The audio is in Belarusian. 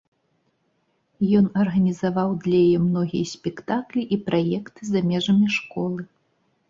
Ён арганізаваў для яе многія спектаклі і праекты за межамі школы.